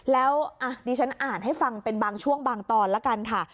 แล้วดิฉันอ่านให้ฟังเป็นบางช่วงบางตอนแล้วกันค่ะ